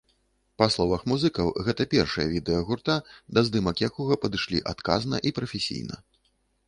Па словах музыкаў гэта першае відэа гурта, да здымак якога падышлі адказна і прафесійна.